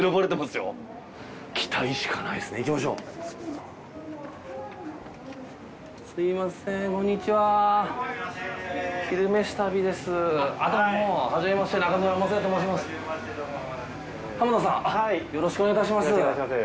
よろしくお願いします。